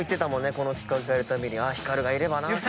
この企画やるたびに光がいればなって。